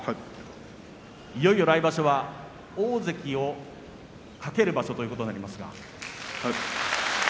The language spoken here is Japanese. いよいよ来場所は大関を懸ける場所ということになりますが。